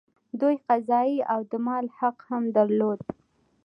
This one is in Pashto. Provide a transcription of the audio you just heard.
دوی قضايي او د مال حق هم درلود.